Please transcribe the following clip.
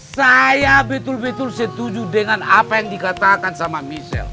saya betul betul setuju dengan apa yang dikatakan sama michelle